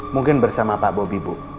mungkin bersama pak bobi bu